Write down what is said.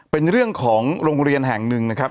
เป็นเรื่องของโรงเรียนแห่งหนึ่งนะครับ